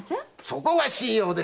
そこが信用ですよ！